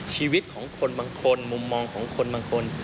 ชีวิตของคนบางคนมุมมองของคนบางคน